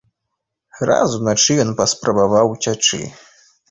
Раз уначы ён паспрабаваў уцячы.